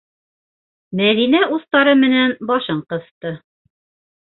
- Мәҙинә устары менән башын ҡыҫты.